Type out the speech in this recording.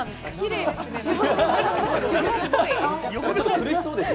苦しそうですよ？